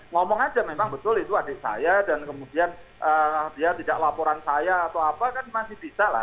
ngomong aja memang betul itu adik saya dan kemudian dia tidak laporan saya atau apa kan masih bisa lah